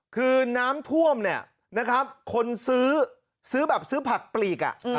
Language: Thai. คือน้ำท่วมเนี่ยนะครับคนซื้อแบบซื้อผักปลีก